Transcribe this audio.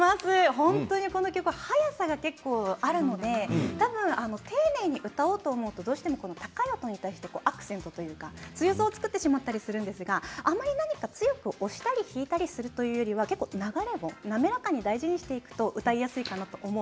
本当に、この曲は速さがあるので丁寧に歌おうと思うと高い音に対してアクセントというか強さを作ってしまうのであまり強く押したり引いたりするというよりは流れを滑らかに大事にしていくと歌いやすくなります。